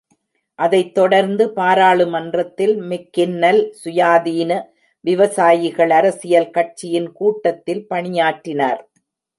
அதைத் தொடர்ந்து பாராளுமன்றத்தில் மெக்கின்னல் சுயாதீன விவசாயிகள் அரசியல் கட்சியின் கூட்டத்தில் பணியாற்றினார்.